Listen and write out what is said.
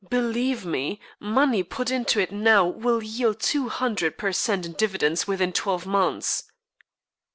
Believe me, money put into it now will yield two hundred per cent in dividends within twelve months."